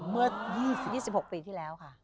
เมื่อ๒๐ค่ะ๒๖ปีที่แล้วค่ะ